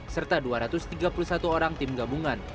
serta dua ratus tiga puluh satu orang tim gabungan